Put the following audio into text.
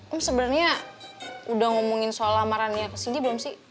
om sebenernya udah ngomongin soal lamarannya ke sindi belum sih